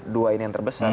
dua ini yang terbesar